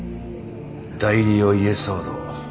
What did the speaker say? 代理お家騒動